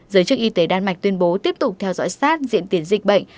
giới chức y tế đan mạch tuyên bố tiếp tục theo dõi sát diễn tiến dịch bệnh